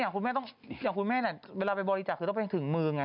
อย่างคุณแม่เวลาไปบริจาคคือต้องไปถึงเมือง